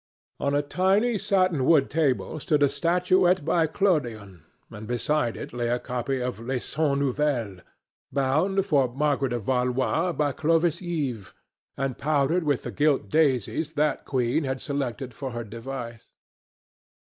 On a tiny satinwood table stood a statuette by Clodion, and beside it lay a copy of Les Cent Nouvelles, bound for Margaret of Valois by Clovis Eve and powdered with the gilt daisies that Queen had selected for her device.